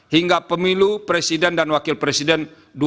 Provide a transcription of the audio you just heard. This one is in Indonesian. hingga pemilu presiden dan wakil presiden dua ribu sembilan belas